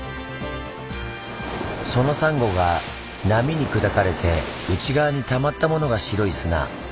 そのサンゴが波に砕かれて内側に溜まったものが白い砂。